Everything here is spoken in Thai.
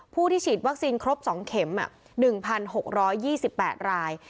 ผู้ที่ฉีดวัคซีนครบ๒เข็ม๑๖๒๘ราย